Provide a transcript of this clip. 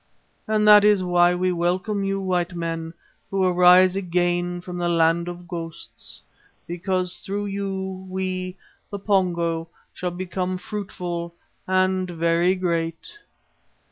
And that is why we welcome you, white men, who arise again from the land of ghosts, because through you we, the Pongo, shall become fruitful and very great."